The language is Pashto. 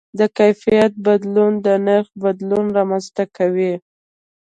د کیفیت بدلون د نرخ بدلون رامنځته کوي.